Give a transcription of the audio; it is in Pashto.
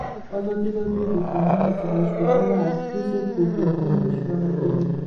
ازادي راډیو د د کانونو استخراج په اړه د هر اړخیز پوښښ ژمنه کړې.